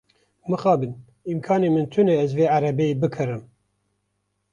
Mixabin, îmkanên min tune ez vê erebeyê bikirim.